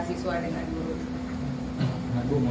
itu udah melalui kesepakatan